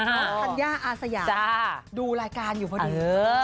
อ๋อทัญญาอาสยาจ้าดูรายการอยู่พอดีเออ